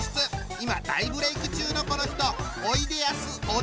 今大ブレーク中のこの人！